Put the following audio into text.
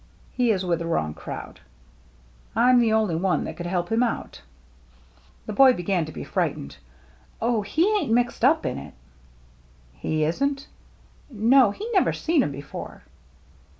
He is with the wrong crowd. I'm the only one that could help him out." The boy began to be frightened. "Oh, he ain't mixed up in it !" "He isn't?" " No. He never seen 'em before."